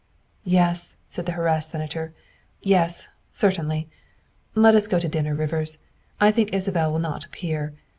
' Yes," said the harassed Senator, " yes, certainly. Let us go to dinner, Rivers ; I think Isabel will not appear.